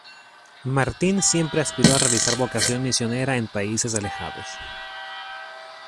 Martín siempre aspiró a realizar vocación misionera en países alejados.